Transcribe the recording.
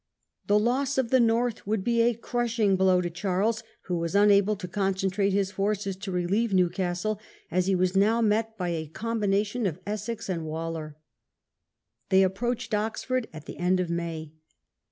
The loss of the North would be a crushing blow to Charles, who was unable to concentrate his forces to relieve Newcastle, as he was now met by a combination of Essex and Waller. They approached Oxford at the end of May.